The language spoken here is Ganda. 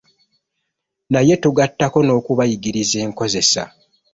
Naye tugattako n'okubayigiriza enkozeza.